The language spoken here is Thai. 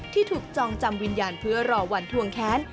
ที่ถูกจองจำวิญญาณเพื่อรอวันทวงแค้น